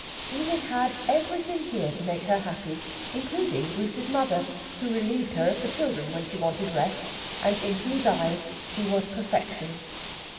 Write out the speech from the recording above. Edith had everything here to make her happy, including Bruce's mother, who relieved her of the children when she wanted rest and in whose eyes she was perfection.